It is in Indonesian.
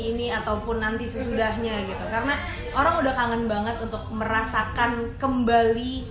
ini ataupun nanti sesudahnya gitu karena orang udah kangen banget untuk merasakan kembali